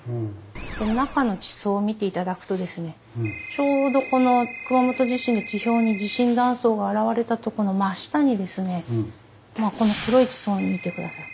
で中の地層を見て頂くとですねちょうどこの熊本地震で地表に地震断層が現れたとこの真下にですねまあこの黒い地層を見て下さい。